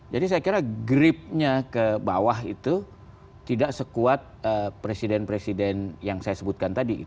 jadi saya kira gripnya ke bawah itu tidak sekuat presiden presiden yang saya sebutkan tadi